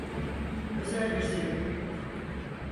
Özel bir sebebi yok.